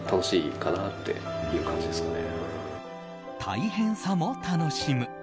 大変さも楽しむ。